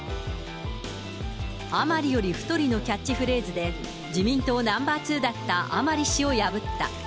あまりよりふとりのキャッチフレーズで、自民党ナンバー２だった甘利氏を破った。